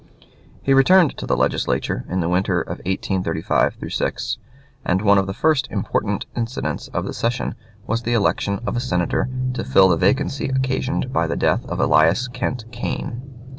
He returned to the Legislature in the winter of 1835 6, and one of the first important incidents of the session was the election of a senator to fill the vacancy occasioned by the death of Elias Kent Kane.